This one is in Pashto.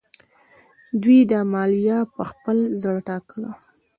دوی دا مالیه په خپل زړه ټاکله.